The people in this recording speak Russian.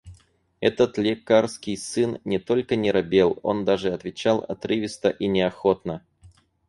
Этот лекарский сын не только не робел, он даже отвечал отрывисто и неохотно.